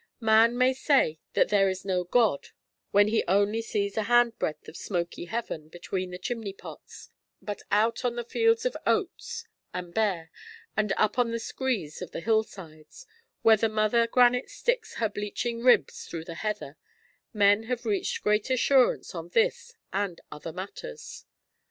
Man may say that there is no God when he only sees a handbreadth of smoky heaven between the chimney pots; but out on the fields of oats and bear, and up on the screes of the hillsides, where the mother granite sticks her bleaching ribs through the heather, men have reached great assurance on this and other matters.